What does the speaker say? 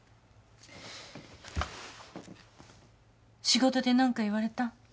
仕事で何か言われた？